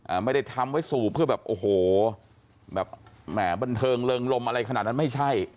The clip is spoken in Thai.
ไม่ได้ทำไว้สูบเพื่อแบบโอ้โหแบบแหมบันเทิงเริงลมอะไรขนาดนั้นไม่ใช่